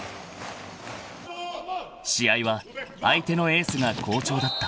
［試合は相手のエースが好調だった］